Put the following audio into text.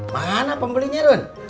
mana pembelinya run